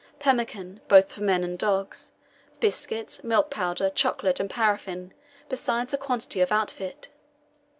pemmican, both for men and dogs, biscuits, milk powder, chocolate, and paraffin, besides a quantity of outfit.